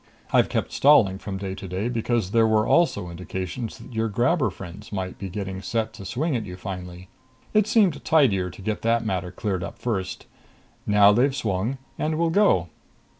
I've kept stalling from day to day, because there were also indications that your grabber friends might be getting set to swing at you finally. It seemed tidier to get that matter cleared up first. Now they've swung, and we'll go."